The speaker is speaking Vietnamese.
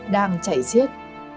đang chảy xiết